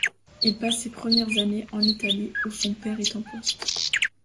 Il passe ses premières années en Italie, où son père est en poste.